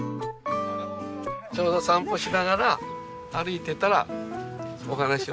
ちょうど散歩しながら歩いてたらお話をね。